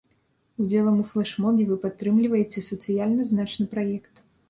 Удзелам у флэшмобе вы падтрымліваеце сацыяльна значны праект.